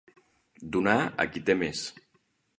Donar a qui té més.